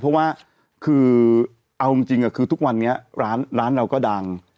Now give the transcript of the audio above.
เพราะว่าคือเอาจริงคือทุกวันนี้ร้านเราก็ดัง